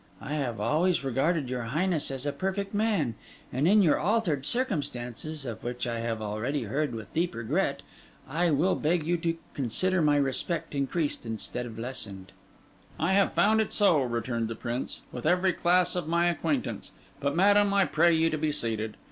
'I have always regarded your Highness as a perfect man; and in your altered circumstances, of which I have already heard with deep regret, I will beg you to consider my respect increased instead of lessened.' 'I have found it so,' returned the Prince, 'with every class of my acquaintance. But, madam, I pray you to be seated.